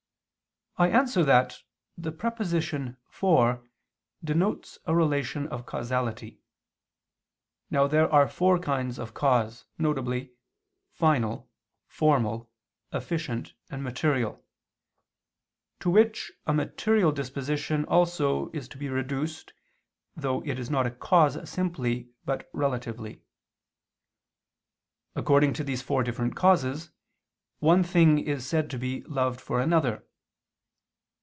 I answer that, The preposition "for" denotes a relation of causality. Now there are four kinds of cause, viz., final, formal, efficient, and material, to which a material disposition also is to be reduced, though it is not a cause simply but relatively. According to these four different causes one thing is said to be loved for another.